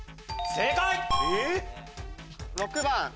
正解！